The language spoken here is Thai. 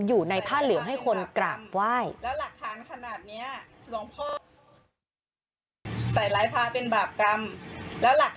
อยู่ในผ้าเหลืองให้คนกราบไหว้